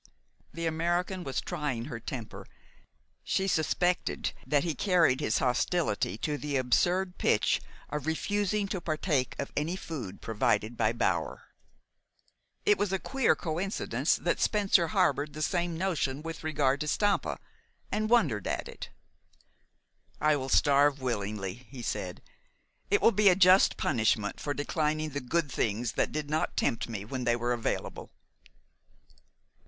The American was trying her temper. She suspected that he carried his hostility to the absurd pitch of refusing to partake of any food provided by Bower. It was a queer coincidence that Spencer harbored the same notion with regard to Stampa, and wondered at it. "I shall starve willingly," he said. "It will be a just punishment for declining the good things that did not tempt me when they were available."